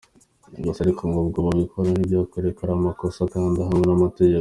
Gusa ariko ngo n’ubwo babikora ntibayobewe ko ari amakosa akandi ahanwa n’amategeko.